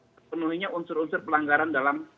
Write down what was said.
terpenuhinya unsur unsur pelanggaran dalam